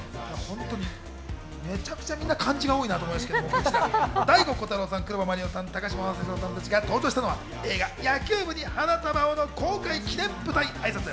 めちゃくちゃみんな漢字が多いなと思いますが、醍醐虎汰朗さん、黒羽麻璃央さん、高嶋政宏さん達が登場したのは、映画『野球部に花束を』の公開記念舞台挨拶。